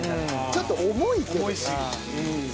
ちょっと重いけど。